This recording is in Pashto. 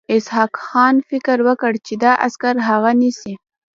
اسحق خان فکر وکړ چې دا عسکر هغه نیسي.